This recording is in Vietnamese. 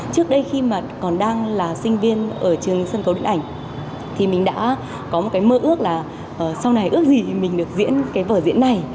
trước đây khi mà còn đang là sinh viên ở trường sân khấu điện ảnh thì mình đã có một cái mơ ước là sau này ước gì thì mình được diễn cái vở diễn này